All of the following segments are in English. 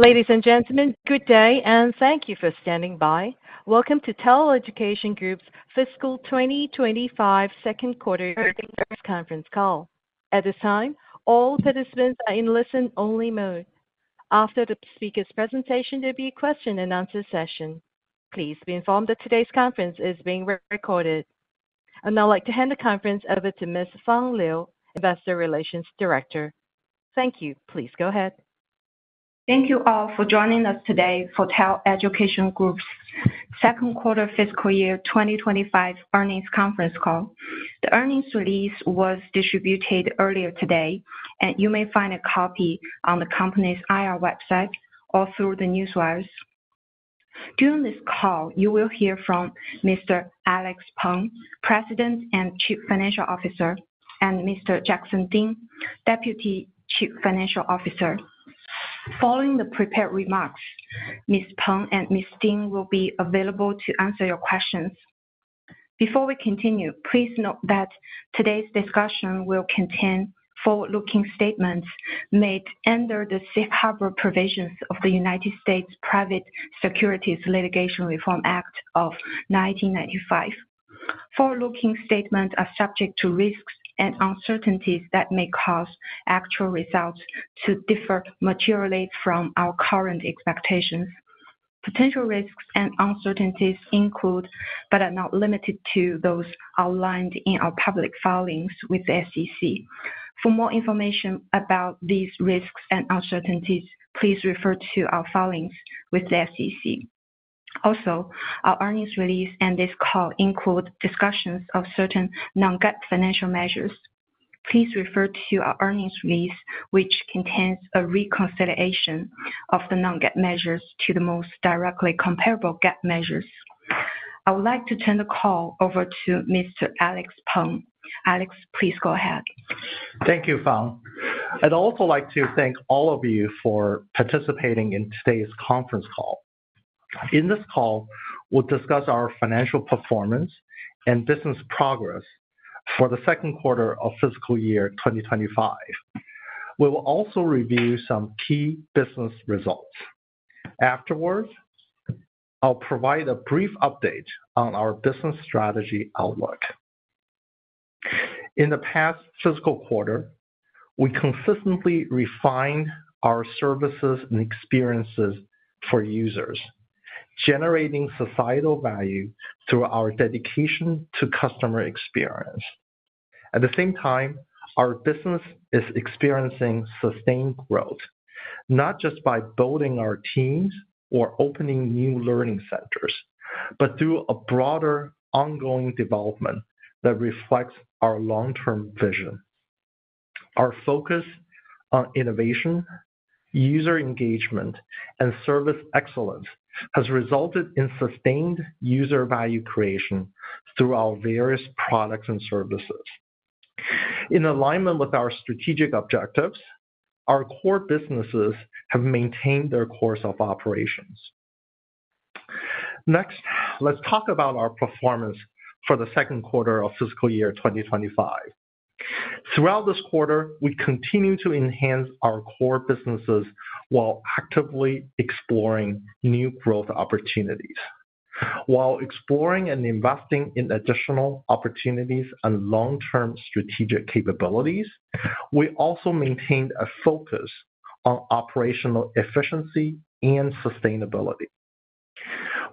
Ladies and gentlemen, good day, and thank you for standing by. Welcome to TAL Education Group's fiscal twenty twenty-five second quarter earnings conference call. At this time, all participants are in listen-only mode. After the speaker's presentation, there'll be a question and answer session. Please be informed that today's conference is being re-recorded. I'd now like to hand the conference over to Ms. Fang Liu, Investor Relations Director. Thank you. Please go ahead. Thank you all for joining us today for TAL Education Group's second quarter fiscal year 2025 earnings conference call. The earnings release was distributed earlier today, and you may find a copy on the company's IR website or through the Newswires. During this call, you will hear from Mr. Alex Peng, President and Chief Financial Officer, and Mr. Jackson Ding, Deputy Chief Financial Officer. Following the prepared remarks, Mr. Peng and Mr. Ding will be available to answer your questions. Before we continue, please note that today's discussion will contain forward-looking statements made under the safe harbor provisions of the United States Private Securities Litigation Reform Act of 1995. Forward-looking statements are subject to risks and uncertainties that may cause actual results to differ materially from our current expectations. Potential risks and uncertainties include, but are not limited to, those outlined in our public filings with the SEC. For more information about these risks and uncertainties, please refer to our filings with the SEC. Also, our earnings release and this call include discussions of certain non-GAAP financial measures. Please refer to our earnings release, which contains a reconciliation of the non-GAAP measures to the most directly comparable GAAP measures. I would like to turn the call over to Mr. Alex Peng. Alex, please go ahead. Thank you, Fang. I'd also like to thank all of you for participating in today's conference call. In this call, we'll discuss our financial performance and business progress for the second quarter of fiscal year 2025. We will also review some key business results. Afterwards, I'll provide a brief update on our business strategy outlook. In the past fiscal quarter, we consistently refined our services and experiences for users, generating societal value through our dedication to customer experience. At the same time, our business is experiencing sustained growth, not just by building our teams or opening new learning centers, but through a broader ongoing development that reflects our long-term vision. Our focus on innovation, user engagement, and service excellence has resulted in sustained user value creation through our various products and services. In alignment with our strategic objectives, our core businesses have maintained their course of operations. Next, let's talk about our performance for the second quarter of fiscal year 2025. Throughout this quarter, we continued to enhance our core businesses while actively exploring new growth opportunities. While exploring and investing in additional opportunities and long-term strategic capabilities, we also maintained a focus on operational efficiency and sustainability.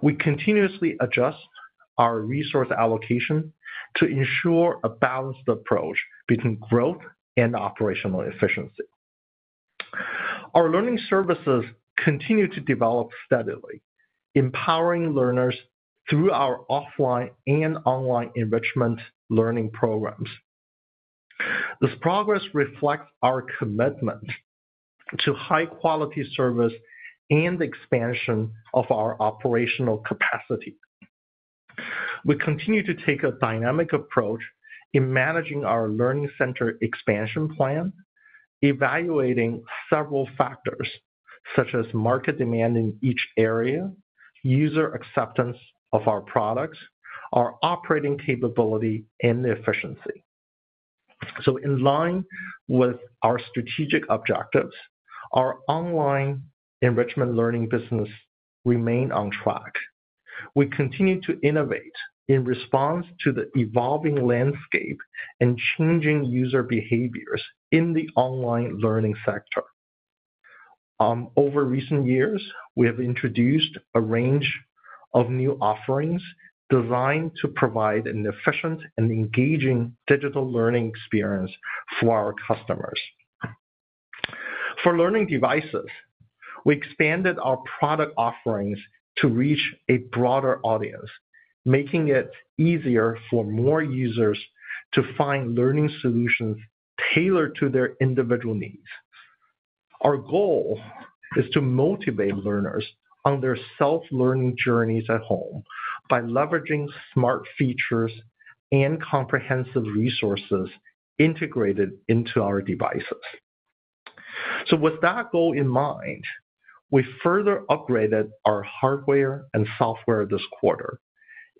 We continuously adjust our resource allocation to ensure a balanced approach between growth and operational efficiency. Our learning services continue to develop steadily, empowering learners through our offline and online enrichment learning programs. This progress reflects our commitment to high-quality service and expansion of our operational capacity. We continue to take a dynamic approach in managing our learning center expansion plan, evaluating several factors, such as market demand in each area, user acceptance of our products, our operating capability, and efficiency. So in line with our strategic objectives, our online enrichment learning business remain on track. We continue to innovate in response to the evolving landscape and changing user behaviors in the online learning sector. Over recent years, we have introduced a range of new offerings designed to provide an efficient and engaging digital learning experience for our customers. For learning devices, we expanded our product offerings to reach a broader audience, making it easier for more users to find learning solutions tailored to their individual needs. Our goal is to motivate learners on their self-learning journeys at home by leveraging smart features and comprehensive resources integrated into our devices. So with that goal in mind, we further upgraded our hardware and software this quarter,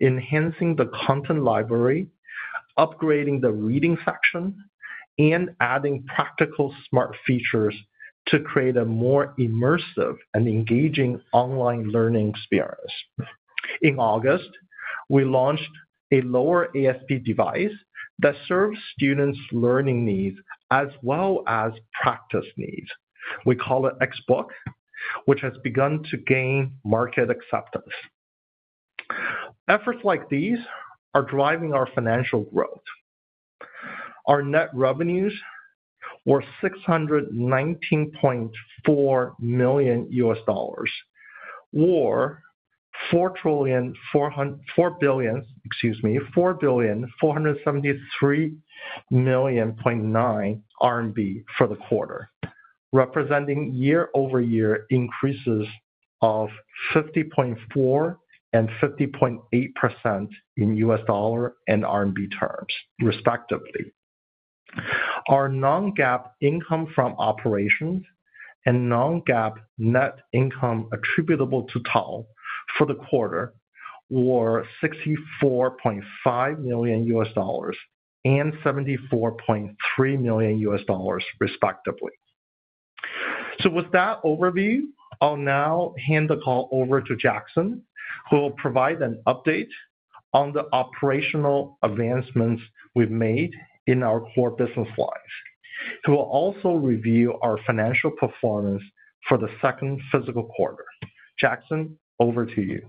enhancing the content library, upgrading the reading section and adding practical smart features to create a more immersive and engaging online learning experience. In August, we launched a lower ASP device that serves students' learning needs as well as practice needs. We call it XBook, which has begun to gain market acceptance. Efforts like these are driving our financial growth. Our net revenues were $619.4 million, or 4,473.9 million RMB for the quarter, representing year-over-year increases of 50.4% and 50.8% in US dollar and RMB terms, respectively. Our non-GAAP income from operations and non-GAAP net income attributable to TAL for the quarter were $64.5 million and $74.3 million, respectively. With that overview, I'll now hand the call over to Jackson, who will provide an update on the operational advancements we've made in our core business lines. He will also review our financial performance for the second fiscal quarter. Jackson, over to you.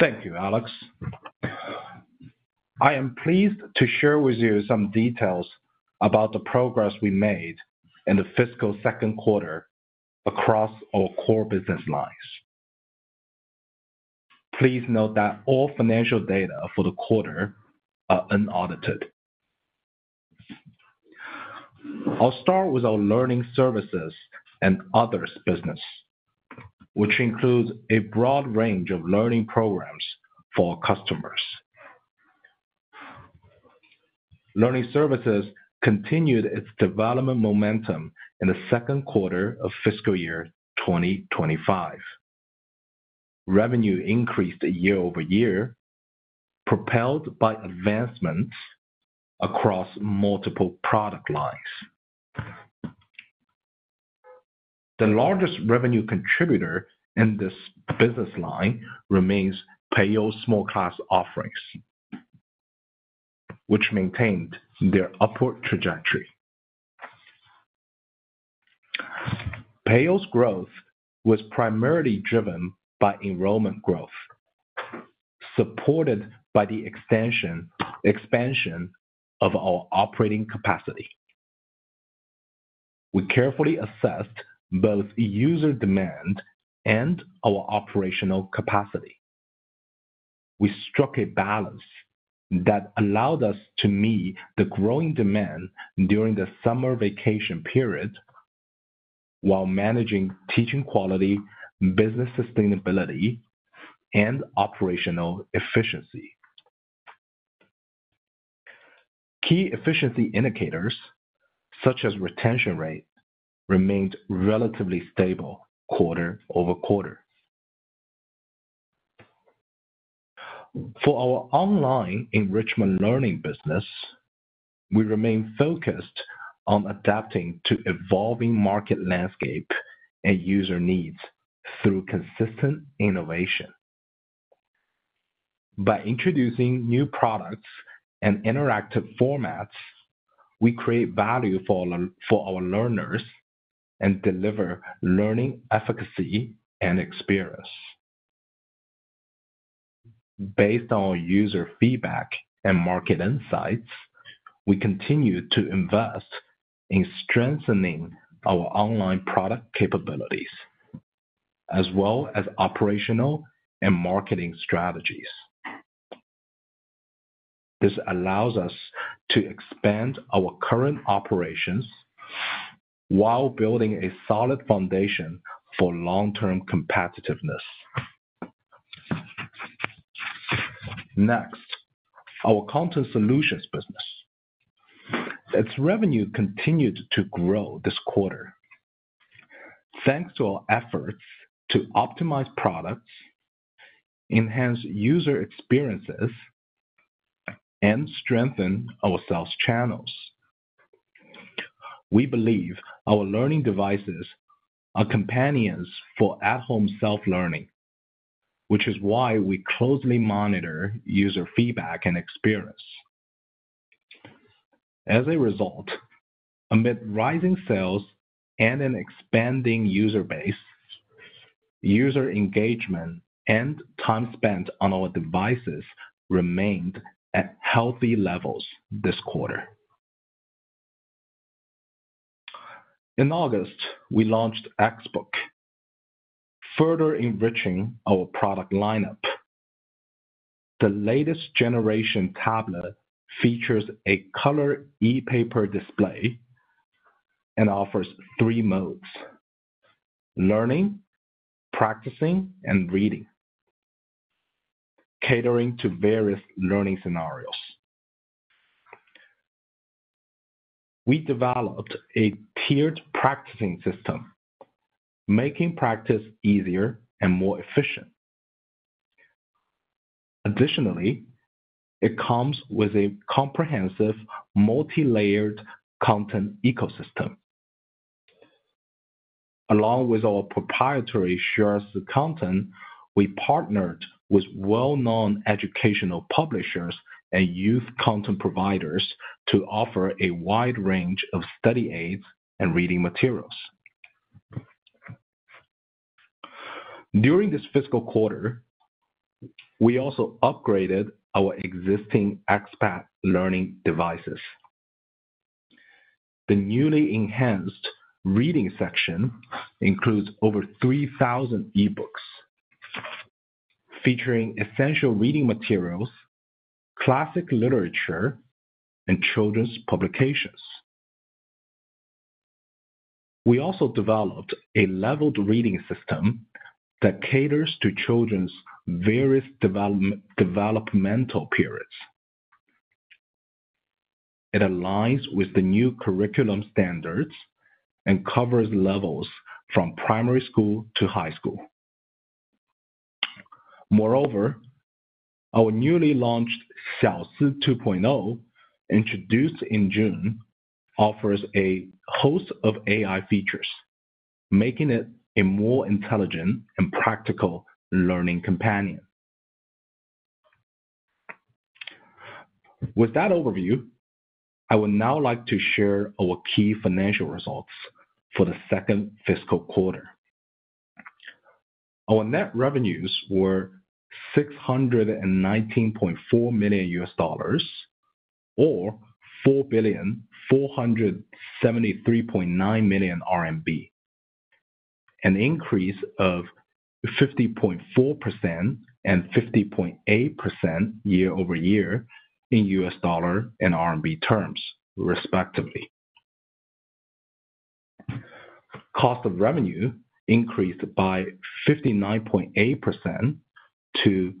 Thank you, Alex. I am pleased to share with you some details about the progress we made in the fiscal second quarter across our core business lines. Please note that all financial data for the quarter are unaudited. I'll start with our learning services and others business, which includes a broad range of learning programs for our customers. Learning services continued its development momentum in the second quarter of fiscal year 2025. Revenue increased year over year, propelled by advancements across multiple product lines. The largest revenue contributor in this business line remains Peiyou's small class offerings, which maintained their upward trajectory. Peiyou's growth was primarily driven by enrollment growth, supported by the expansion of our operating capacity. We carefully assessed both user demand and our operational capacity. We struck a balance that allowed us to meet the growing demand during the summer vacation period, while managing teaching quality, business sustainability, and operational efficiency. Key efficiency indicators, such as retention rate, remained relatively stable quarter-over-quarter. For our online enrichment learning business, we remain focused on adapting to evolving market landscape and user needs through consistent innovation. By introducing new products and interactive formats, we create value for our, for our learners and deliver learning, efficacy, and experience. Based on user feedback and market insights, we continue to invest in strengthening our online product capabilities, as well as operational and marketing strategies. This allows us to expand our current operations while building a solid foundation for long-term competitiveness. Next, our content solutions business. Its revenue continued to grow this quarter, thanks to our efforts to optimize products, enhance user experiences, and strengthen our sales channels. We believe our learning devices are companions for at-home self-learning, which is why we closely monitor user feedback and experience. As a result, amid rising sales and an expanding user base, user engagement and time spent on our devices remained at healthy levels this quarter. In August, we launched XBook, further enriching our product lineup. The latest generation tablet features a color e-paper display and offers three modes: learning, practicing, and reading, catering to various learning scenarios. We developed a tiered practicing system, making practice easier and more efficient. Additionally, it comes with a comprehensive, multi-layered content ecosystem. Along with our proprietary Xueersi content, we partnered with well-known educational publishers and youth content providers to offer a wide range of study aids and reading materials. During this fiscal quarter, we also upgraded our existing xPad learning devices. The newly enhanced reading section includes over 3,000 e-books, featuring essential reading materials, classic literature, and children's publications. We also developed a leveled reading system that caters to children's various developmental periods. It aligns with the new curriculum standards and covers levels from primary school to high school. Moreover, our newly launched XiaoSi 2.0, introduced in June, offers a host of AI features, making it a more intelligent and practical learning companion. With that overview, I would now like to share our key financial results for the second fiscal quarter. Our net revenues were $619.4 million, or RMB 4,473.9 million, an increase of 50.4% and 50.8% year-over-year in US dollar and RMB terms, respectively. Cost of revenue increased by 59.8% to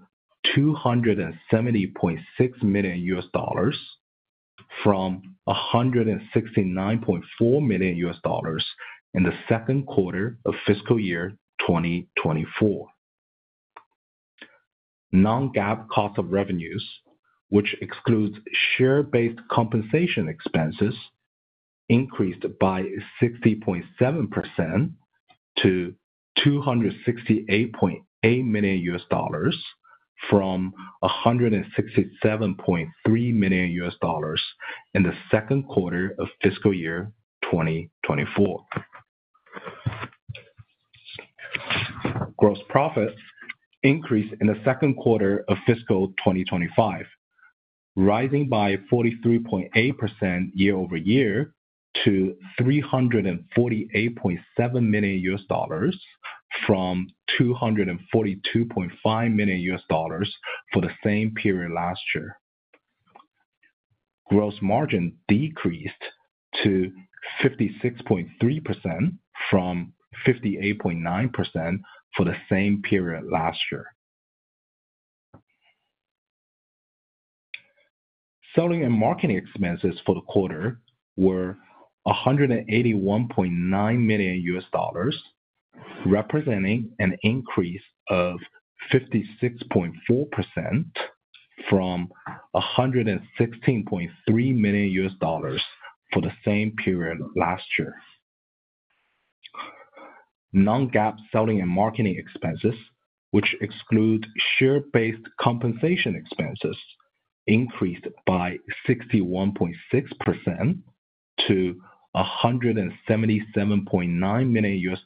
$270.6 million from $169.4 million in the second quarter of fiscal year 2024. Non-GAAP cost of revenues, which excludes share-based compensation expenses, increased by 60.7% to $268.8 million from $167.3 million in the second quarter of fiscal year 2024. Gross profit increased in the second quarter of fiscal year 2025, rising by 43.8% year-over-year to $348.7 million from $242.5 million for the same period last year. Gross margin decreased to 56.3% from 58.9% for the same period last year. Selling and marketing expenses for the quarter were $181.9 million, representing an increase of 56.4% from $116.3 million for the same period last year. Non-GAAP selling and marketing expenses, which exclude share-based compensation expenses, increased by 61.6% to $177.9 million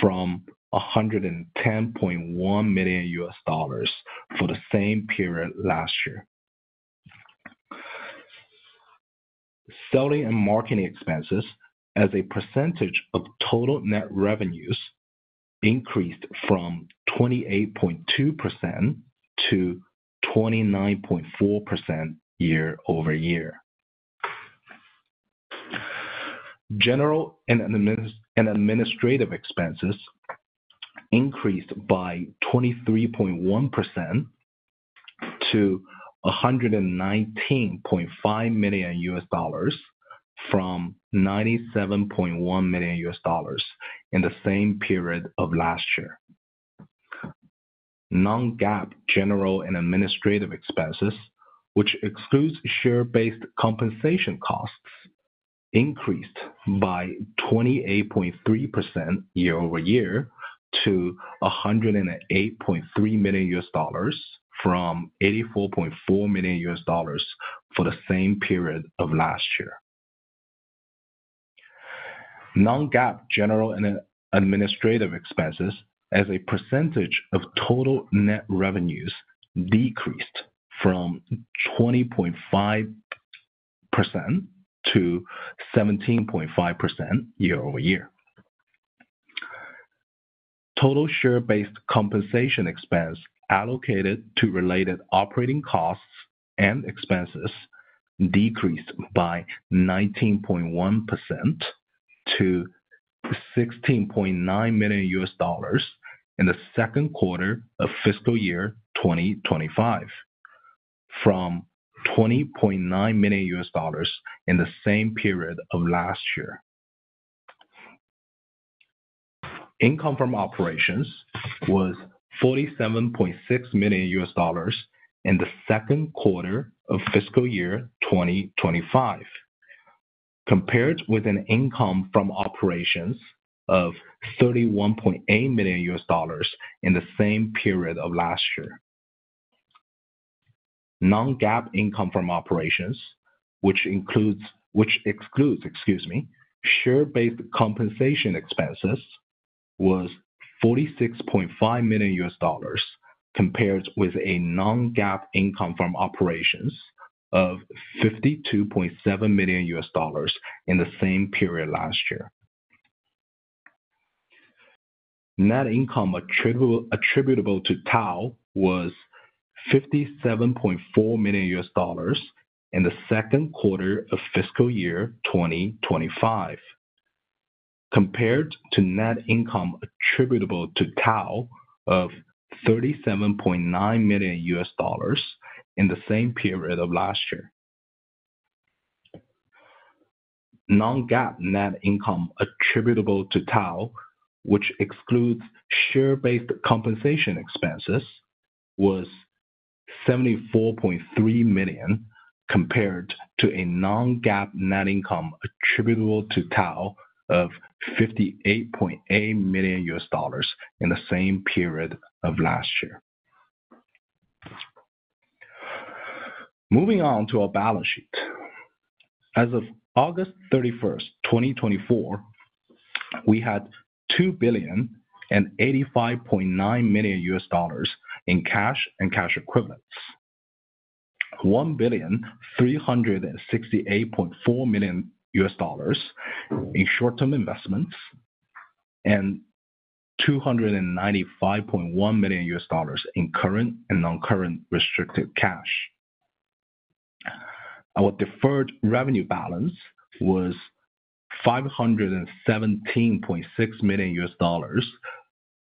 from $110.1 million for the same period last year. Selling and marketing expenses as a percentage of total net revenues increased from 28.2% to 29.4% year-over-year. General and administrative expenses increased by 23.1% to $119.5 million from $97.1 million in the same period of last year. Non-GAAP general and administrative expenses, which excludes share-based compensation costs, increased by 28.3% year over year to $108.3 million from $84.4 million for the same period of last year. Non-GAAP general and administrative expenses as a percentage of total net revenues decreased from 20.5% to 17.5% year-over-year. Total share-based compensation expense allocated to related operating costs and expenses decreased by 19.1% to $16.9 million in the second quarter of fiscal year 2025, from $20.9 million in the same period of last year. Income from operations was $47.6 million in the second quarter of fiscal year 2025, compared with an income from operations of $31.8 million in the same period of last year. Non-GAAP income from operations, which includes, which excludes, excuse me, share-based compensation expenses, was $46.5 million, compared with a non-GAAP income from operations of $52.7 million in the same period last year. Net income attributable to TAL was $57.4 million in the second quarter of fiscal year 2025, compared to net income attributable to TAL of $37.9 million in the same period of last year. Non-GAAP net income attributable to TAL, which excludes share-based compensation expenses, was $74.3 million, compared to a non-GAAP net income attributable to TAL of $58.8 million in the same period of last year. Moving on to our balance sheet. As of August 31st, 2024, we had $2,085.9 million in cash and cash equivalents. $1,368.4 million in short-term investments, and $295.1 million in current and non-current restricted cash. Our deferred revenue balance was $517.6 million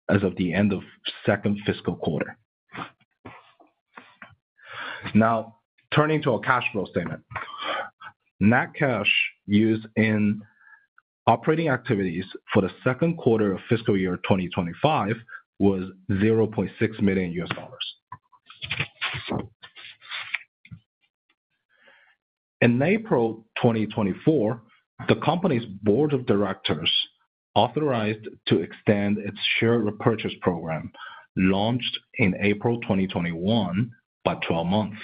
as of the end of second fiscal quarter. Now, turning to our cash flow statement. Net cash used in operating activities for the second quarter of fiscal year 2025 was $0.6 million. In April 2024, the company's board of directors authorized to extend its share repurchase program, launched in April 2021, by 12 months.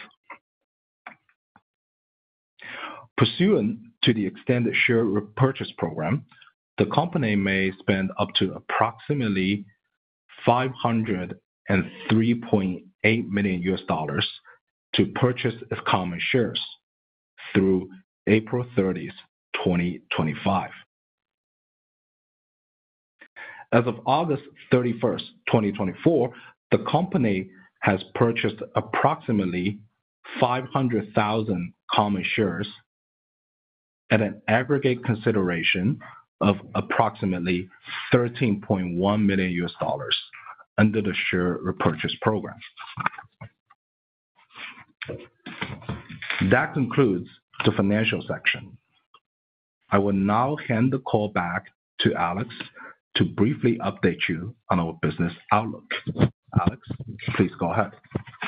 Pursuant to the extended share repurchase program, the company may spend up to approximately $503.8 million to purchase its common shares through April 30th, 2025. As of August 31st, 2024, the company has purchased approximately 500,000 common shares at an aggregate consideration of approximately $13.1 million under the share repurchase program. That concludes the financial section. I will now hand the call back to Alex to briefly update you on our business outlook. Alex, please go ahead.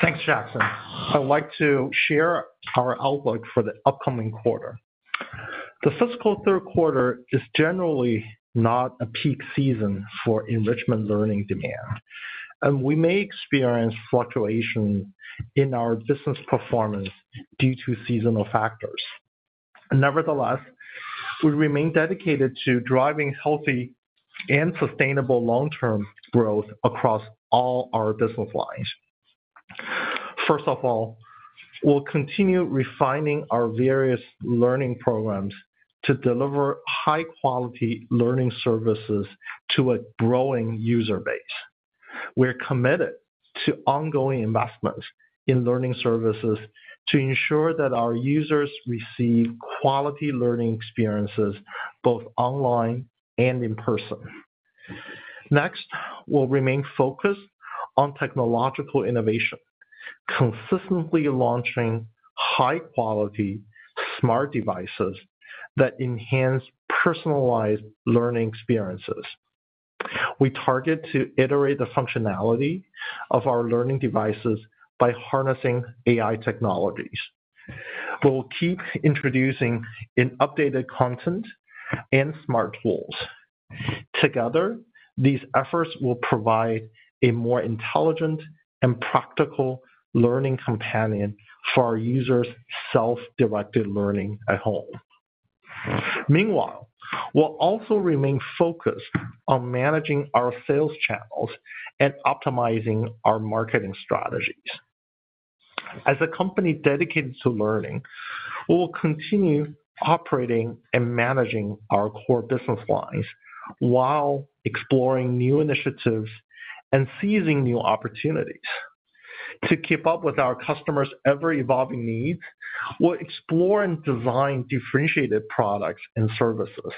Thanks, Jackson. I would like to share our outlook for the upcoming quarter. The fiscal third quarter is generally not a peak season for enrichment learning demand, and we may experience fluctuation in our business performance due to seasonal factors. Nevertheless, we remain dedicated to driving healthy and sustainable long-term growth across all our business lines. First of all, we'll continue refining our various learning programs to deliver high-quality learning services to a growing user base. We're committed to ongoing investments in learning services to ensure that our users receive quality learning experiences, both online and in person. Next, we'll remain focused on technological innovation, consistently launching high-quality smart devices that enhance personalized learning experiences. We target to iterate the functionality of our learning devices by harnessing AI technologies. We'll keep introducing an updated content and smart tools. Together, these efforts will provide a more intelligent and practical learning companion for our users' self-directed learning at home. Meanwhile, we'll also remain focused on managing our sales channels and optimizing our marketing strategies. As a company dedicated to learning, we'll continue operating and managing our core business lines while exploring new initiatives and seizing new opportunities.... to keep up with our customers' ever-evolving needs, we'll explore and design differentiated products and services.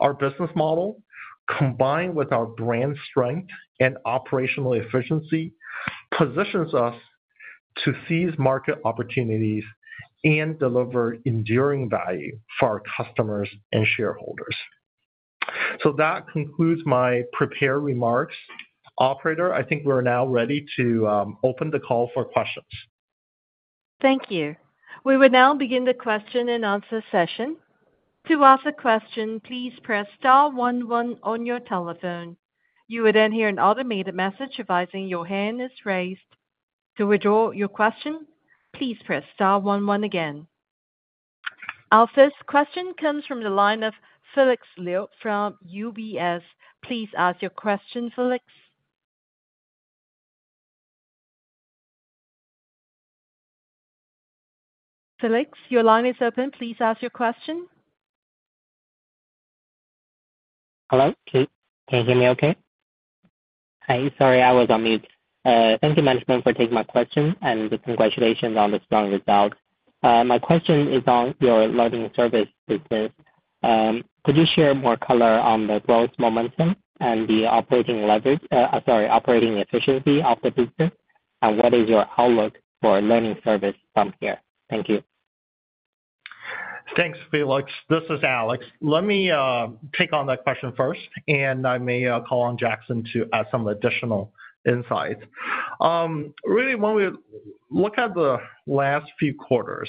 Our business model, combined with our brand strength and operational efficiency, positions us to seize market opportunities and deliver enduring value for our customers and shareholders. So that concludes my prepared remarks. Operator, I think we're now ready to open the call for questions. Thank you. We will now begin the question and answer session. To ask a question, please press star one one on your telephone. You will then hear an automated message advising your hand is raised. To withdraw your question, please press star one one again. Our first question comes from the line of Felix Liu from UBS. Please ask your question, Felix. Felix, your line is open. Please ask your question. Hello, can you hear me okay? Hi, sorry, I was on mute. Thank you, management, for taking my question, and congratulations on the strong results. My question is on your learning service business. Could you share more color on the growth momentum and the operating leverage, sorry, operating efficiency of the business? And what is your outlook for learning service from here? Thank you. Thanks, Felix. This is Alex. Let me take on that question first, and I may call on Jackson to add some additional insights. Really, when we look at the last few quarters,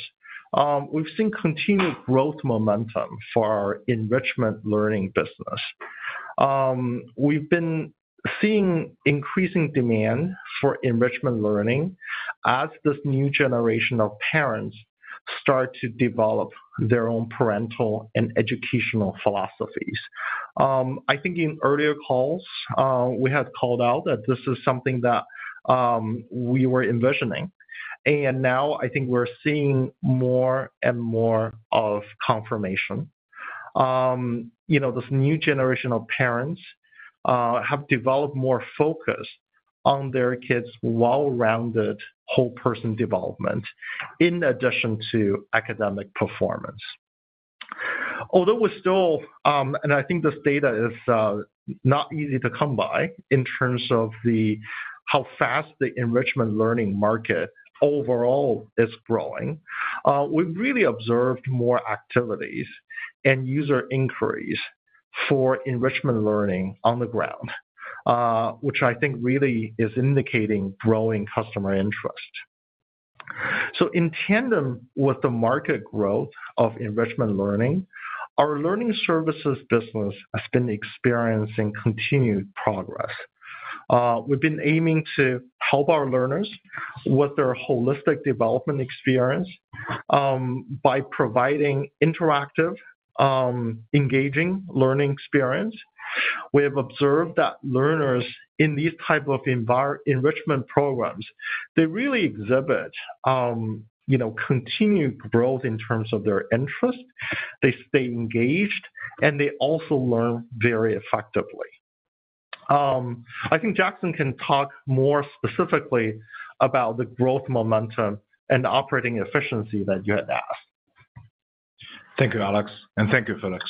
we've seen continued growth momentum for our enrichment learning business. We've been seeing increasing demand for enrichment learning as this new generation of parents start to develop their own parental and educational philosophies. I think in earlier calls, we had called out that this is something that we were envisioning, and now I think we're seeing more and more of confirmation. You know, this new generation of parents have developed more focus on their kids' well-rounded whole person development, in addition to academic performance. Although we're still... And I think this data is not easy to come by in terms of the how fast the enrichment learning market overall is growing. We've really observed more activities and user inquiries for enrichment learning on the ground, which I think really is indicating growing customer interest. So in tandem with the market growth of enrichment learning, our learning services business has been experiencing continued progress. We've been aiming to help our learners with their holistic development experience by providing interactive, engaging learning experience. We have observed that learners in these type of enrichment programs, they really exhibit, you know, continued growth in terms of their interest, they stay engaged, and they also learn very effectively. I think Jackson can talk more specifically about the growth momentum and the operating efficiency that you had asked. Thank you, Alex, and thank you, Felix.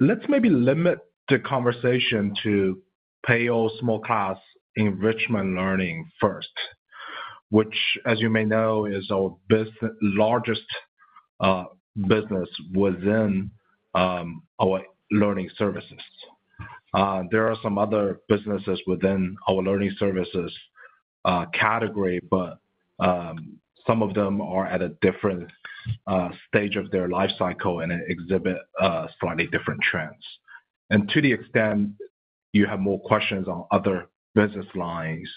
Let's maybe limit the conversation to Peiyou small class enrichment learning first, which, as you may know, is our largest business within our learning services. There are some other businesses within our learning services category, but some of them are at a different stage of their life cycle and exhibit slightly different trends. And to the extent you have more questions on other business lines,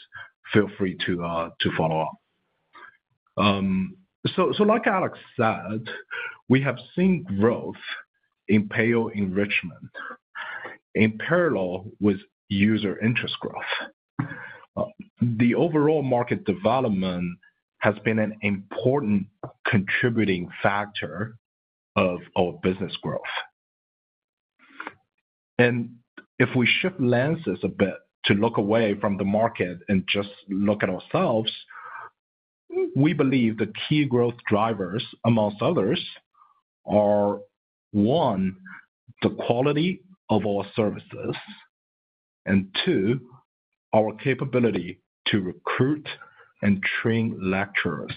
feel free to follow up. So, like Alex said, we have seen growth in Peiyou enrichment in parallel with user interest growth. The overall market development has been an important contributing factor of our business growth. If we shift lenses a bit to look away from the market and just look at ourselves, we believe the key growth drivers, amongst others, are, one, the quality of our services, and two, our capability to recruit and train lecturers.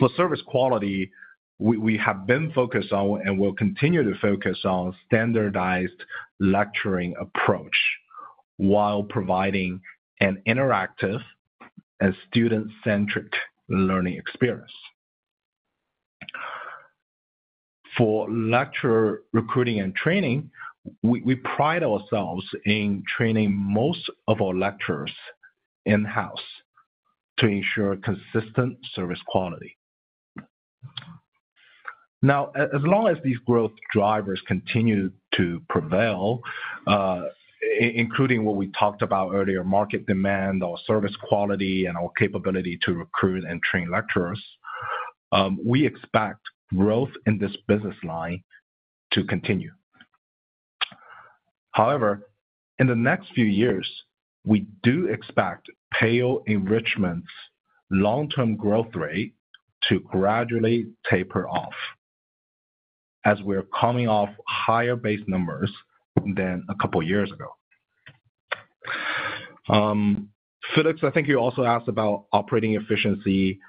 For service quality, we have been focused on, and will continue to focus on standardized lecturing approach, while providing an interactive and student-centric learning experience. For lecturer recruiting and training, we pride ourselves in training most of our lecturers in-house to ensure consistent service quality. Now, as long as these growth drivers continue to prevail, including what we talked about earlier, market demand, our service quality, and our capability to recruit and train lecturers-... We expect growth in this business line to continue. However, in the next few years, we do expect Peiyou enrichment's long-term growth rate to gradually taper off, as we're coming off higher base numbers than a couple of years ago. Felix, I think you also asked about operating efficiency.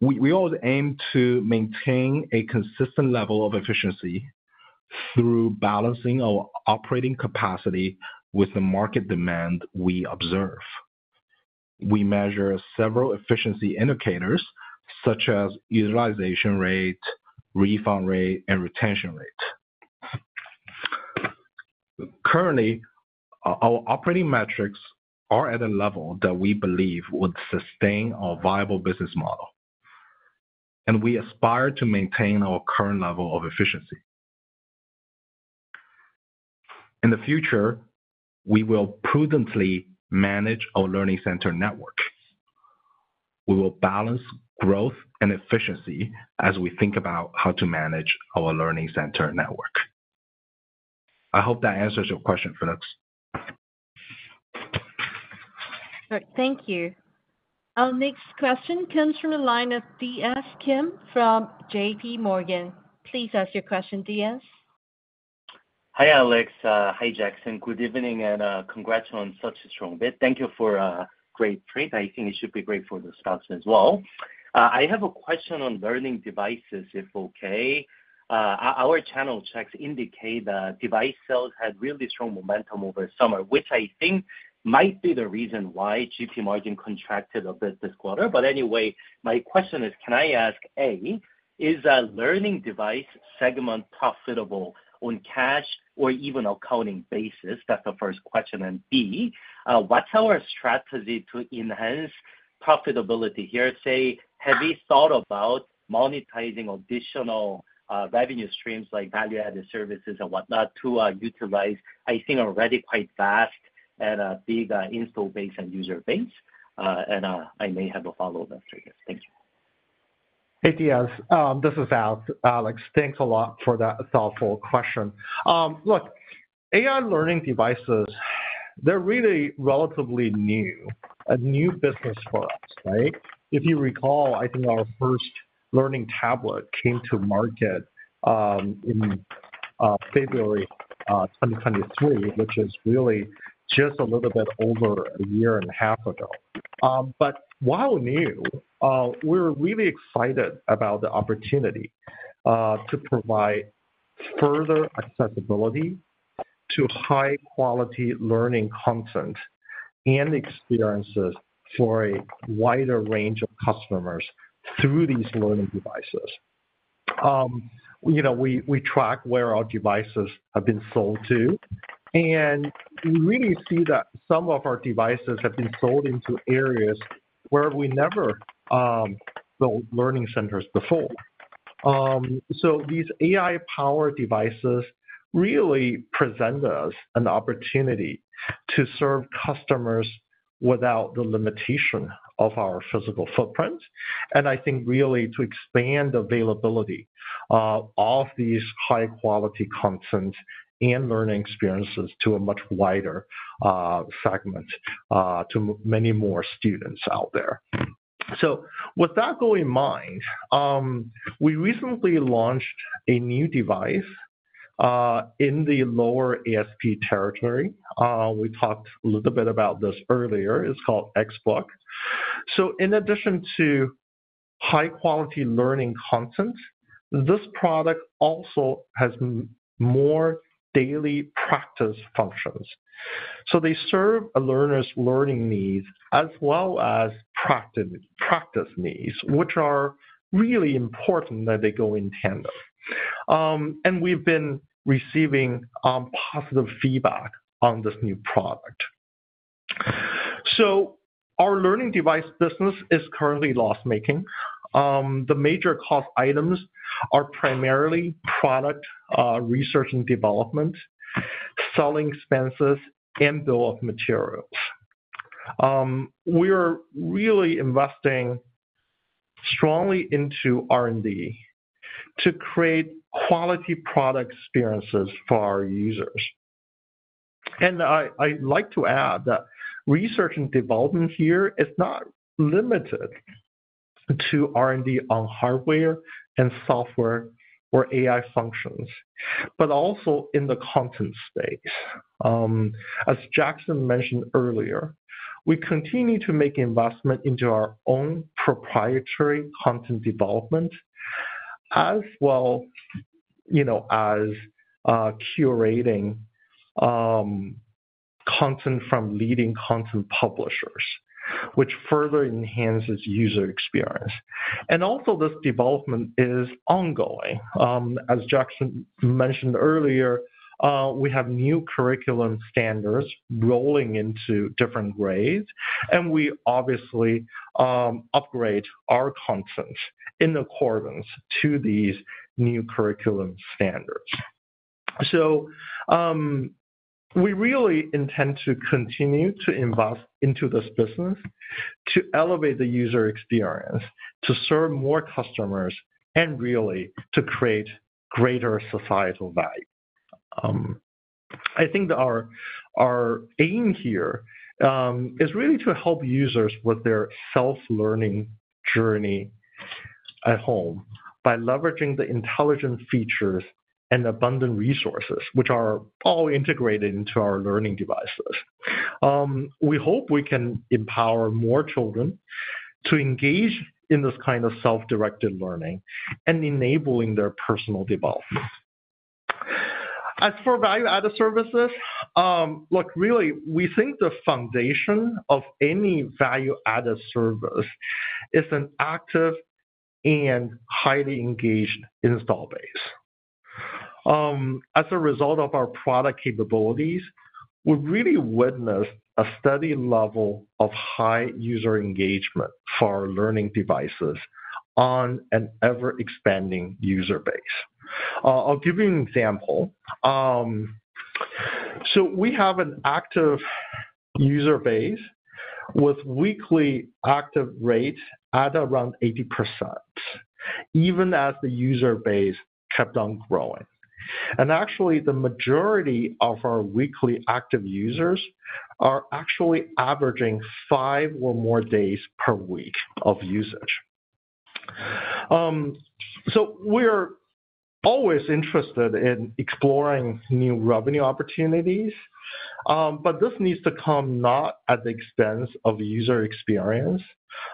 We always aim to maintain a consistent level of efficiency through balancing our operating capacity with the market demand we observe. We measure several efficiency indicators, such as utilization rate, refund rate, and retention rate. Currently, our operating metrics are at a level that we believe would sustain our viable business model, and we aspire to maintain our current level of efficiency. In the future, we will prudently manage our learning center network. We will balance growth and efficiency as we think about how to manage our learning center network. I hope that answers your question, Felix. Thank you. Our next question comes from the line of D.S. Kim from J.P. Morgan. Please ask your question, D.S. Hi, Alex. Hi, Jackson. Good evening, and, congrats on such a strong beat. Thank you for, great print. I think it should be great for the stocks as well. I have a question on learning devices, if okay. Our channel checks indicate that device sales had really strong momentum over summer, which I think might be the reason why GP margin contracted a bit this quarter. But anyway, my question is, can I ask, A, is, learning device segment profitable on cash or even accounting basis? That's the first question. And B, what's our strategy to enhance profitability here? Say, have you thought about monetizing additional, revenue streams, like value-added services and whatnot, to, utilize, I think, already quite fast and a big, install base and user base? And, I may have a follow-up after this. Thank you. Hey, D.S., this is Alex. Alex, thanks a lot for that thoughtful question. Look, AI learning devices, they're really relatively new, a new business for us, right? If you recall, I think our first learning tablet came to market in February 2023, which is really just a little bit over a year and a half ago, but while new, we're really excited about the opportunity to provide further accessibility to high quality learning content and experiences for a wider range of customers through these learning devices. You know, we track where our devices have been sold to, and we really see that some of our devices have been sold into areas where we never built learning centers before. So these AI-powered devices really present us an opportunity to serve customers without the limitation of our physical footprint, and I think really to expand availability of these high-quality content and learning experiences to a much wider segment to many more students out there. With that goal in mind, we recently launched a new device in the lower ASP territory. We talked a little bit about this earlier. It's called XBook. In addition to high-quality learning content, this product also has more daily practice functions. They serve a learner's learning needs as well as practice needs, which are really important that they go in tandem. We've been receiving positive feedback on this new product. Our learning device business is currently loss-making. The major cost items are primarily product, research and development, selling expenses, and bill of materials. We are really investing strongly into R&D to create quality product experiences for our users. And I'd like to add that research and development here is not limited to R&D on hardware and software or AI functions, but also in the content space. As Jackson mentioned earlier, we continue to make investment into our own proprietary content development, as well, you know, as curating content from leading content publishers, which further enhances user experience. And also this development is ongoing. As Jackson mentioned earlier, we have new curriculum standards rolling into different grades, and we obviously upgrade our content in accordance to these new curriculum standards. So, we really intend to continue to invest into this business, to elevate the user experience, to serve more customers, and really to create greater societal value. I think that our aim here is really to help users with their self-learning journey at home by leveraging the intelligent features and abundant resources, which are all integrated into our learning devices. We hope we can empower more children to engage in this kind of self-directed learning and enabling their personal development. As for value-added services, look, really, we think the foundation of any value-added service is an active and highly engaged install base. As a result of our product capabilities, we've really witnessed a steady level of high user engagement for our learning devices on an ever-expanding user base. I'll give you an example. So we have an active user base with weekly active rate at around 80%, even as the user base kept on growing. And actually, the majority of our weekly active users are actually averaging five or more days per week of usage. So we're always interested in exploring new revenue opportunities, but this needs to come not at the expense of the user experience.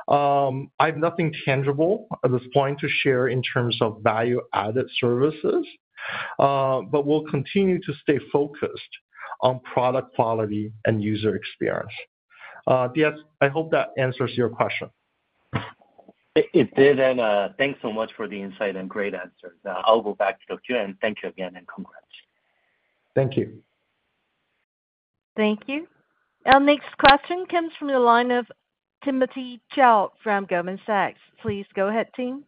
I have nothing tangible at this point to share in terms of value-added services, but we'll continue to stay focused on product quality and user experience. Yes, I hope that answers your question. It did, and, thanks so much for the insight and great answers. I'll go back to Tokyo, and thank you again, and congrats. Thank you. Thank you. Our next question comes from the line of Timothy Zhao from Goldman Sachs. Please go ahead, Tim.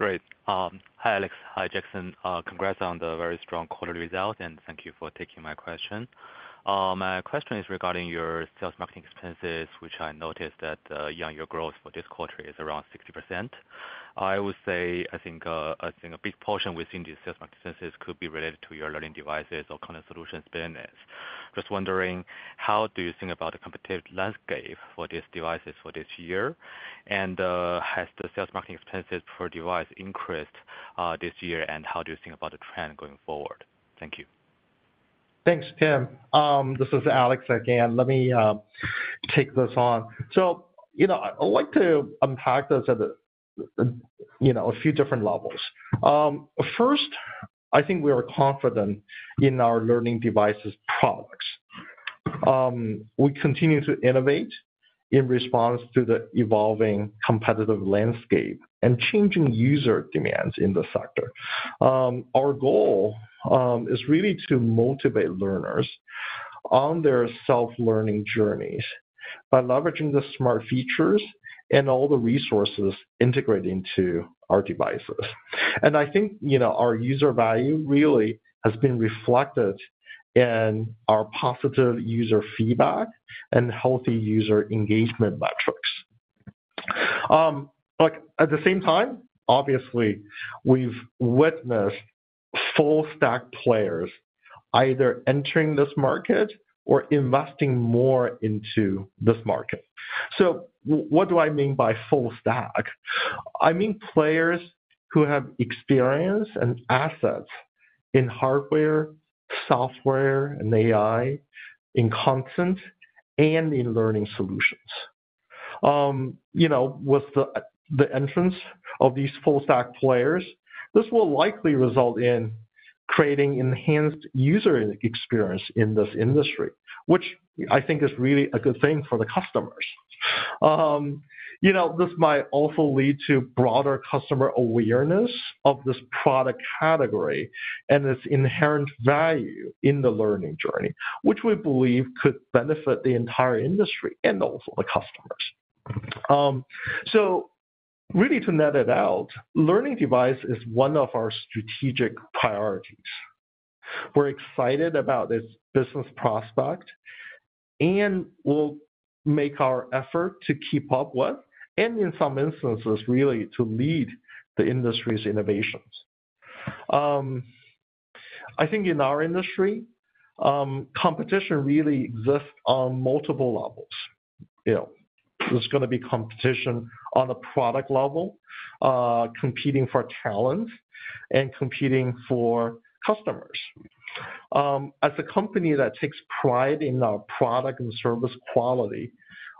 Great. Hi, Alex. Hi, Jackson. Congrats on the very strong quarter result, and thank you for taking my question. My question is regarding your sales marketing expenses, which I noticed that year-on-year growth for this quarter is around 60%. I would say, I think, I think a big portion within these sales marketing expenses could be related to your learning devices or content solutions business. Just wondering, how do you think about the competitive landscape for these devices for this year? And, has the sales marketing expenses per device increased, this year, and how do you think about the trend going forward? Thank you. Thanks, Tim. This is Alex again. Let me take this on. So, you know, I'd like to unpack this at a, you know, a few different levels. First, I think we are confident in our learning devices products. We continue to innovate in response to the evolving competitive landscape and changing user demands in the sector. Our goal is really to motivate learners on their self-learning journeys by leveraging the smart features and all the resources integrated into our devices. And I think, you know, our user value really has been reflected in our positive user feedback and healthy user engagement metrics. But at the same time, obviously, we've witnessed full stack players either entering this market or investing more into this market. So what do I mean by full stack? I mean players who have experience and assets in hardware, software, and AI, in content, and in learning solutions. You know, with the entrance of these full stack players, this will likely result in creating enhanced user experience in this industry, which I think is really a good thing for the customers. You know, this might also lead to broader customer awareness of this product category and its inherent value in the learning journey, which we believe could benefit the entire industry and also the customers. So really to net it out, learning device is one of our strategic priorities. We're excited about this business prospect, and we'll make our effort to keep up with, and in some instances, really to lead the industry's innovations. I think in our industry, competition really exists on multiple levels. You know, there's gonna be competition on a product level, competing for talent and competing for customers. As a company that takes pride in our product and service quality,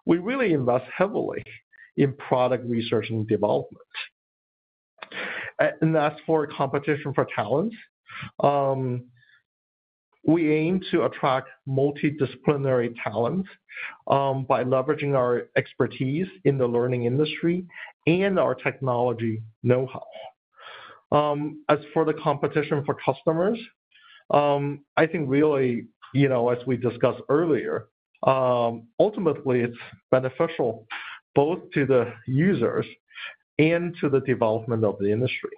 we really invest heavily in product research and development. And as for competition for talent, we aim to attract multidisciplinary talent, by leveraging our expertise in the learning industry and our technology know-how. As for the competition for customers, I think really, you know, as we discussed earlier, ultimately it's beneficial both to the users and to the development of the industry.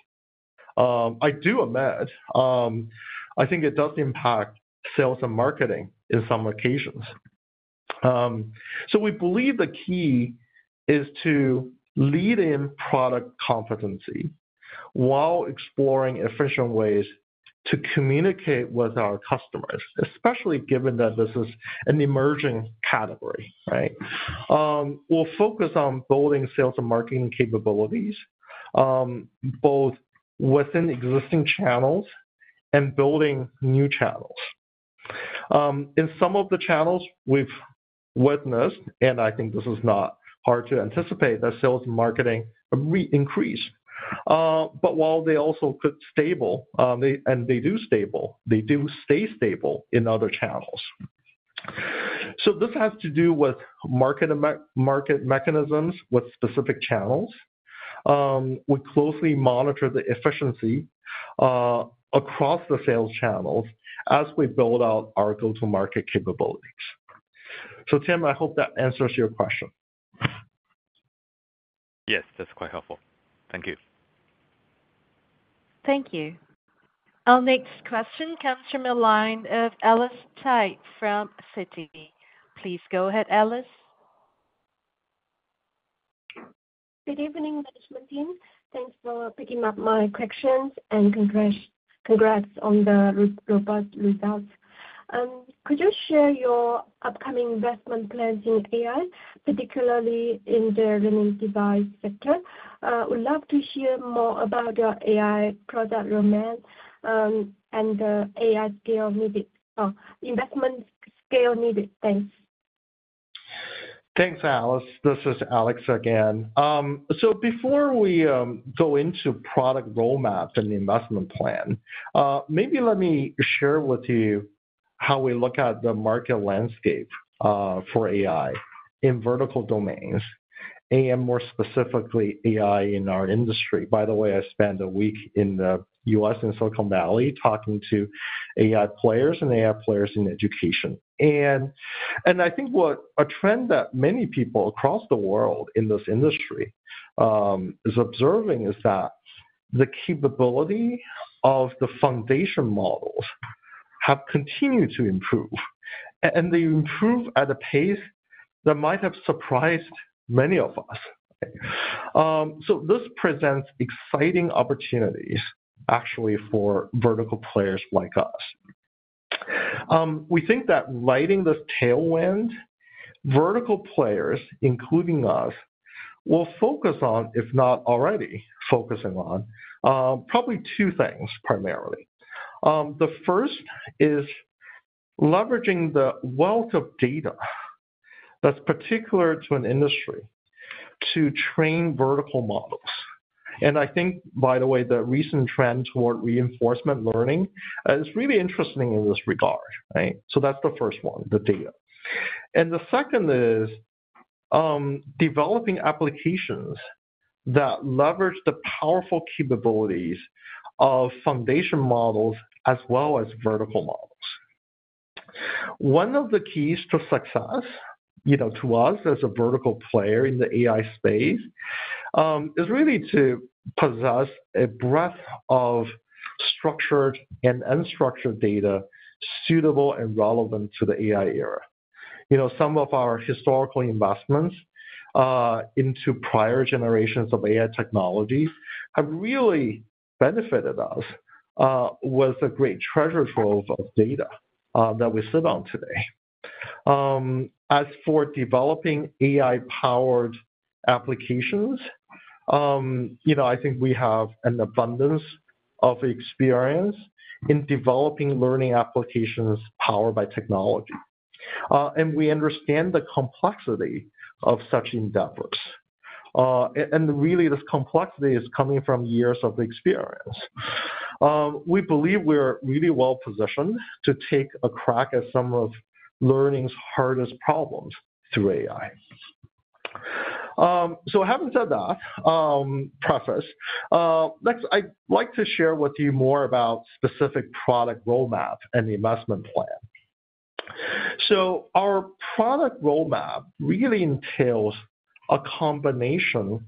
I do admit, I think it does impact sales and marketing in some occasions. So we believe the key is to lead in product competency while exploring efficient ways to communicate with our customers, especially given that this is an emerging category, right? We'll focus on building sales and marketing capabilities, both within existing channels and building new channels. In some of the channels we've witnessed, and I think this is not hard to anticipate, that sales and marketing increase, but while they also could stable, they and they do stable, they do stay stable in other channels. This has to do with market and market mechanisms, with specific channels. We closely monitor the efficiency, across the sales channels as we build out our go-to-market capabilities. Tim, I hope that answers your question. Yes, that's quite helpful. Thank you. Thank you. Our next question comes from the line of Alice Cai from Citi. Please go ahead, Alice. Good evening, management team. Thanks for picking up my questions, and congrats, congrats on the robust results. Could you share your upcoming investment plans in AI, particularly in the learning device sector? Would love to hear more about your AI product roadmap, and the AI scale needed, investment scale needed. Thanks. Thanks, Alice. This is Alex again. So before we go into product roadmap and the investment plan, maybe let me share with you how we look at the market landscape for AI in vertical domains, and more specifically, AI in our industry. By the way, I spent a week in the U.S., in Silicon Valley, talking to AI players and AI players in education, and I think what a trend that many people across the world in this industry is observing is that the capability of the foundation models have continued to improve, and they improve at a pace that might have surprised many of us. So this presents exciting opportunities actually for vertical players like us. We think that riding this tailwind, vertical players, including us, will focus on, if not already focusing on, probably two things primarily. The first is leveraging the wealth of data that's particular to an industry to train vertical models. And I think, by the way, the recent trend toward reinforcement learning is really interesting in this regard, right? So that's the first one, the data. And the second is developing applications that leverage the powerful capabilities of foundation models as well as vertical models. One of the keys to success, you know, to us as a vertical player in the AI space, is really to possess a breadth of structured and unstructured data suitable and relevant to the AI era. You know, some of our historical investments into prior generations of AI technologies have really benefited us with a great treasure trove of data that we sit on today. As for developing AI-powered applications, you know, I think we have an abundance of experience in developing learning applications powered by technology, and we understand the complexity of such endeavors. And really this complexity is coming from years of experience. We believe we're really well positioned to take a crack at some of learning's hardest problems through AI. So having said that, preface, next, I'd like to share with you more about specific product roadmap and the investment plan. So our product roadmap really entails a combination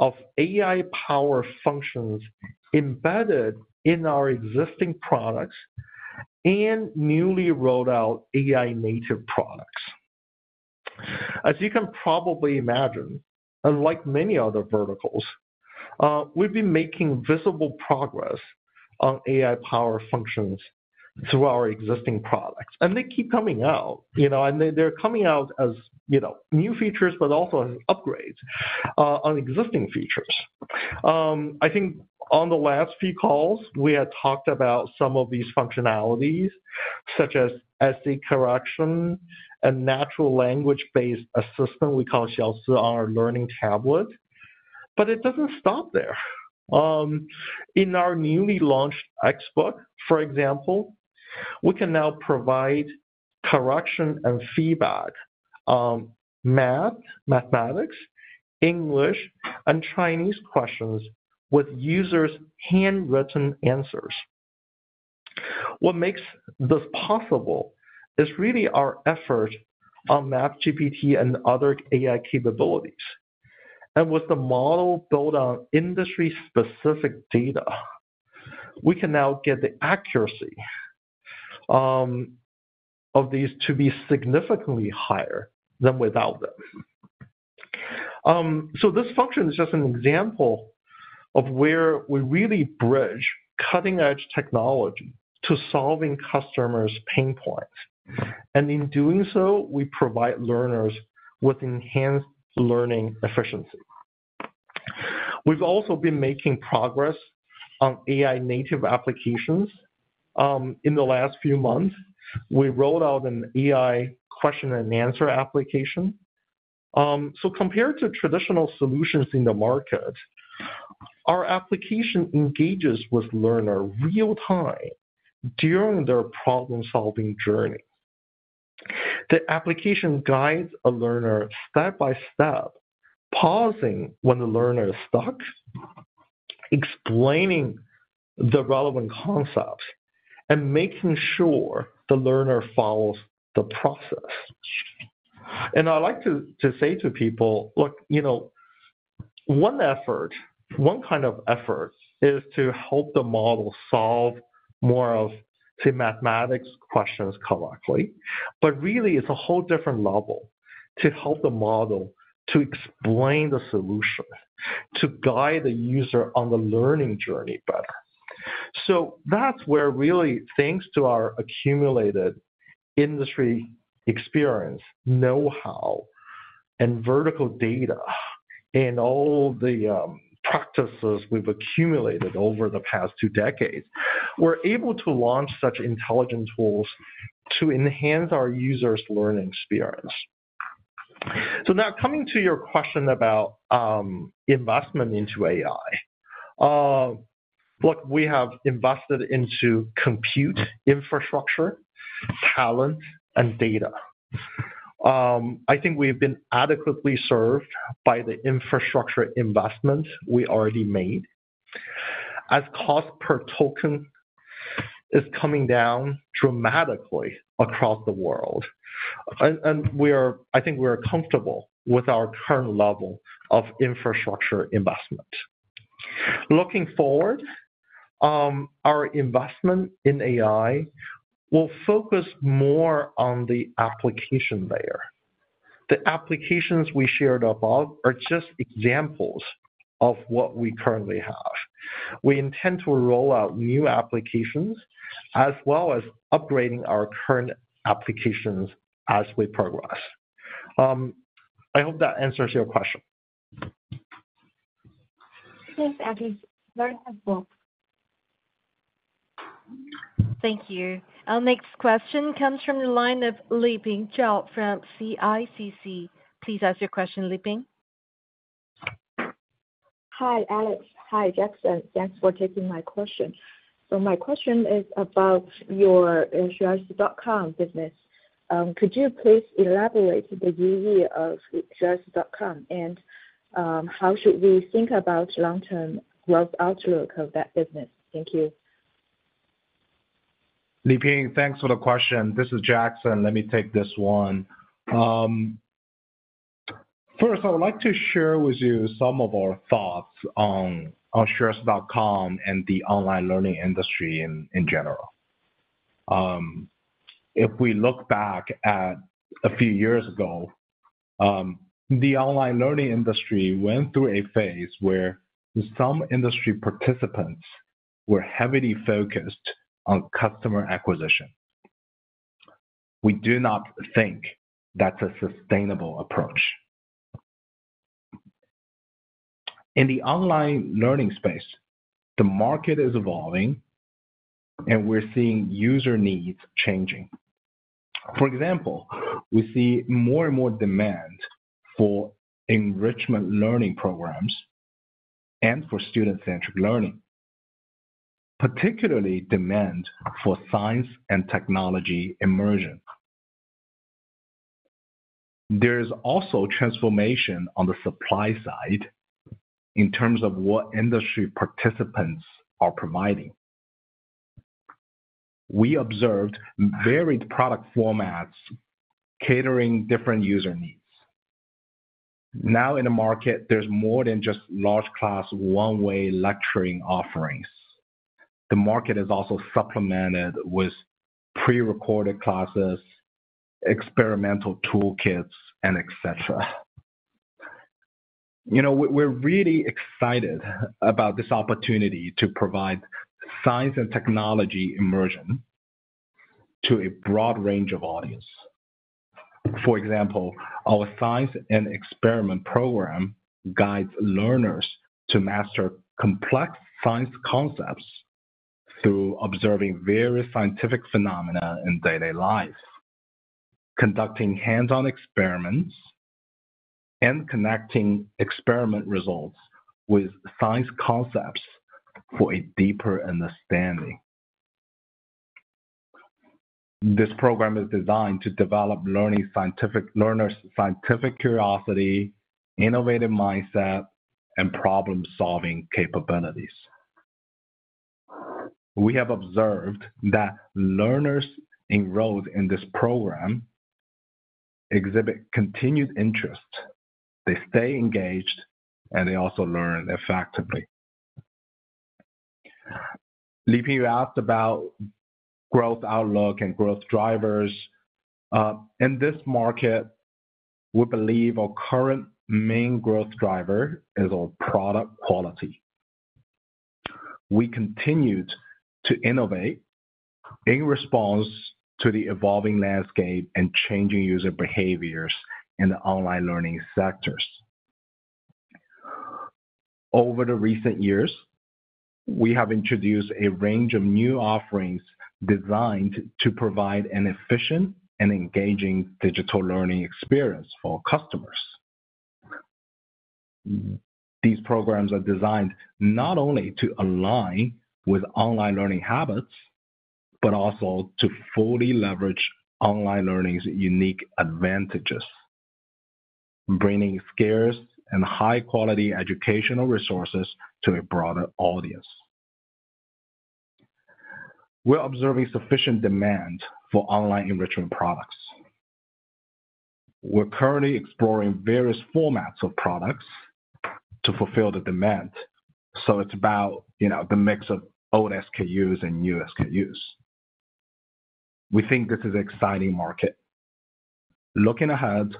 of AI-powered functions embedded in our existing products and newly rolled out AI-native products. As you can probably imagine, unlike many other verticals, we've been making visible progress on AI-powered functions through our existing products, and they keep coming out, you know, they're coming out as, you know, new features, but also as upgrades on existing features. I think on the last few calls, we had talked about some of these functionalities, such as essay correction and natural language-based assistant we call XiaoSi on our learning tablet, but it doesn't stop there. In our newly launched XBook, for example, we can now provide correction and feedback, mathematics, English, and Chinese questions with users' handwritten answers. What makes this possible is really our effort on MathGPT and other AI capabilities with the model built on industry-specific data, we can now get the accuracy of these to be significantly higher than without them. So this function is just an example of where we really bridge cutting-edge technology to solving customers' pain points. And in doing so, we provide learners with enhanced learning efficiency. We've also been making progress on AI native applications. In the last few months, we rolled out an AI question and answer application. So compared to traditional solutions in the market, our application engages with learner real-time during their problem-solving journey. The application guides a learner step-by-step, pausing when the learner is stuck, explaining the relevant concepts, and making sure the learner follows the process. And I like to say to people, "Look, you know, one effort, one kind of effort is to help the model solve more of, say, mathematics questions correctly, but really, it's a whole different level to help the model to explain the solution, to guide the user on the learning journey better." So that's where really, thanks to our accumulated industry experience, know-how, and vertical data, and all the practices we've accumulated over the past two decades, we're able to launch such intelligent tools to enhance our users' learning experience. So now, coming to your question about investment into AI. Look, we have invested into compute infrastructure, talent, and data. I think we've been adequately served by the infrastructure investment we already made, as cost per token is coming down dramatically across the world. I think we're comfortable with our current level of infrastructure investment. Looking forward, our investment in AI will focus more on the application layer. The applications we shared above are just examples of what we currently have. We intend to roll out new applications, as well as upgrading our current applications as we progress. I hope that answers your question. Thanks, Alex. Very helpful. Thank you. Our next question comes from the line of Liping Zhao from CICC. Please ask your question, Liping. Hi, Alex. Hi, Jackson. Thanks for taking my question. So my question is about your xueersi.com business. Could you please elaborate the review of xueersi.com? And, how should we think about long-term growth outlook of that business? Thank you. Liping, thanks for the question. This is Jackson. Let me take this one. First, I would like to share with you some of our thoughts on xueersi.com and the online learning industry in general. If we look back at a few years ago, the online learning industry went through a phase where some industrial participants were heavily focused on customer acquisition. We do not think that's a sustainable approach. In the online learning space, the market is evolving, and we're seeing user needs changing. For example, we see more and more demand for enrichment learning programs and industry participants for student-centric learning, particularly demand for science and technology immersion. There is also transformation on the supply side in terms of what industry participants are providing. We observed varied product formats catering different user needs. Now, in the market, there's more than just large class, one-way lecturing offerings. The market is also supplemented with pre-recorded classes, experimental toolkits, and et cetera. You know, we're really excited about this opportunity to provide science and technology immersion to a broad range of audience. For example, our science and experiment program guides learners to master complex science concepts through observing various scientific phenomena in day-to-day life, conducting hands-on experiments, and connecting experiment results with science concepts for a deeper understanding. This program is designed to develop learners' scientific curiosity, innovative mindset, and problem-solving capabilities. We have observed that learners enrolled in this program exhibit continued interest. They stay engaged, and they also learn effectively. Liping, you asked about growth outlook and growth drivers. In this market, we believe our current main growth driver is our product quality. We continued to innovate in response to the evolving landscape and changing user behaviors in the online learning sectors. Over the recent years, we have introduced a range of new offerings designed to provide an efficient and engaging digital learning experience for customers. These programs are designed not only to align with online learning habits, but also to fully leverage online learning's unique advantages, bringing scarce and high-quality educational resources to a broader audience. We're observing sufficient demand for online enrichment products. We're currently exploring various formats of products to fulfill the demand, so it's about, you know, the mix of old SKUs and new SKUs. We think this is exciting market. Looking ahead,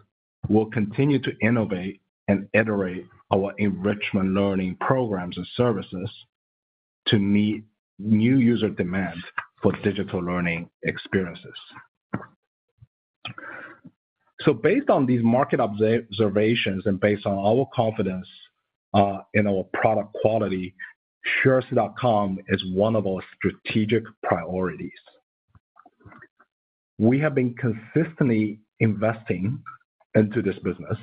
we'll continue to innovate and iterate our enrichment learning programs and services to meet new user demand for digital learning experiences. So based on these market observations and based on our confidence in our product quality, xueersi.com is one of our strategic priorities. We have been consistently investing into this business.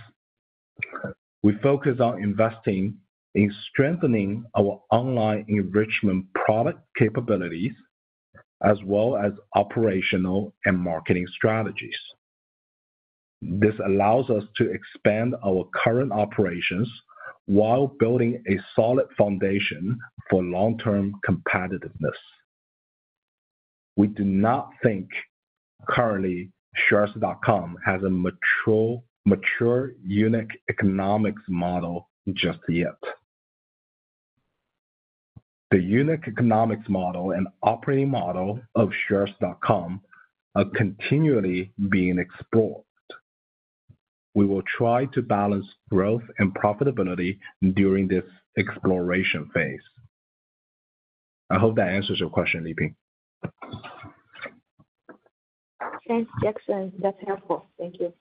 We focus on investing in strengthening our online enrichment product capabilities, as well as operational and marketing strategies. This allows us to expand our current operations while building a solid foundation for long-term competitiveness. We do not think currently xueersi.com has a mature unit economics model just yet. The unit economics model and operating model of xueersi.com are continually being explored. We will try to balance growth and profitability during this exploration phase. I hope that answers your question, Liping. Thanks, Jackson. That's helpful. Thank you.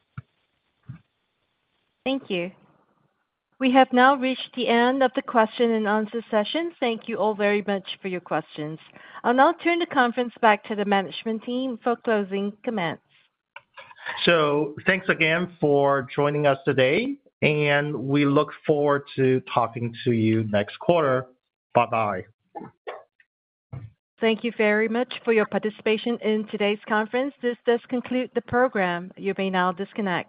Thank you. We have now reached the end of the question and answer session. Thank you all very much for your questions. I'll now turn the conference back to the management team for closing comments. So thanks again for joining us today, and we look forward to talking to you next quarter. Bye-bye. Thank you very much for your participation in today's conference. This does conclude the program. You may now disconnect.